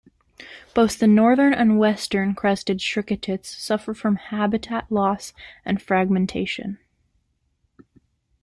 Both the northern and western crested shriketits suffer from habitat loss and fragmentation.